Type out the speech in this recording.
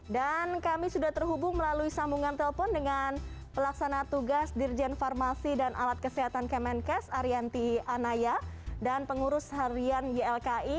dan kami sudah terhubung melalui sambungan telpon dengan pelaksana tugas dirjen farmasi dan alat kesehatan kemenkes arianti anaya dan pengurus harian ylki